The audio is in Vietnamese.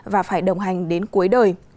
và phải đồng hành đến cuối đời